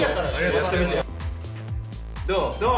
どう？